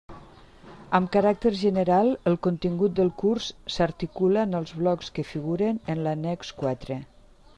Amb caràcter general el contingut del curs s'articula en els blocs que figuren en l'annex quatre.